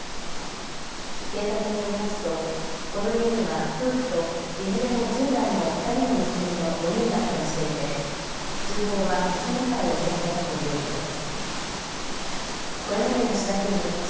警察によりますとこの家には夫婦といずれも１０代の２人の娘の４人が暮らしていて通報は娘から寄せられたということです。